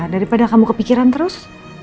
daripada kamu kepikiran terus